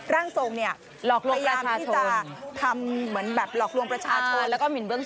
ร่างทรงพยายามที่จะลอกลวงประชาชน